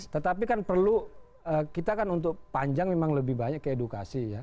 tetapi kan perlu kita kan untuk panjang memang lebih banyak ke edukasi ya